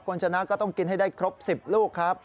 คุณชนะก็ต้องกินให้ได้ครบ๑๐ลูกครับ